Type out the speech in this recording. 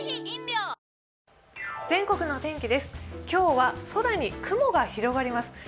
今日は空に雲が広がります。